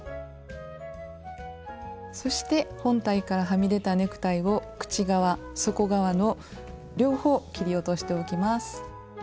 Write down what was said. そして本体からはみ出たネクタイを口側底側の両方切り落としておきます。